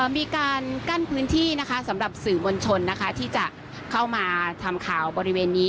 มีการกั้นพื้นที่สำหรับสื่อบริเวณชนที่จะเข้ามาทำข่าวบริเวณนี้